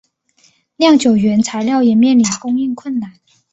酿酒原材料也面临供应困难。